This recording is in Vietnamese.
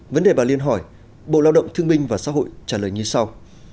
vấn đề bà liên hỏi bộ lao động thương minh và xã hội trả lời như sau